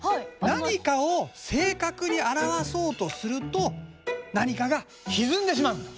何かを正確に表そうとすると何かがひずんでしまうんだ。